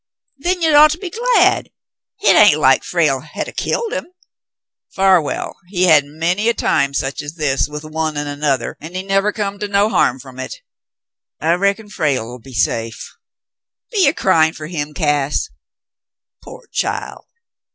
*'Then you'd ought to be glad. Hit ain't like Frale had of killed him. Farwell, he had many a time sech as that with one an' another, an' he nevah come to no harm f'om hit. I reckon Frale'll be safe. Be ye cryin' fer him, Cass ? Pore child